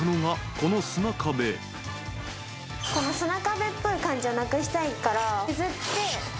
この砂壁っぽい感じをなくしたいから削ってつや消し。